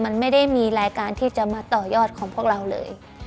มันไม่ได้มีรายการที่จะมาต่อยอดของพวกเราเลย